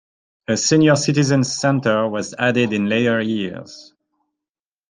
A Senior Citizens Center was added in later years.